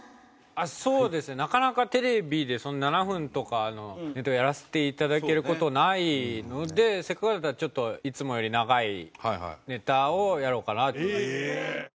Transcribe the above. そうですねなかなかテレビで７分とかのネタをやらせていただける事ないのでせっかくだったらちょっといつもより長いネタをやろうかなと。